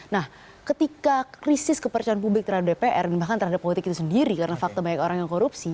nah ketika krisis kepercayaan publik terhadap dpr dan bahkan terhadap politik itu sendiri karena fakta banyak orang yang korupsi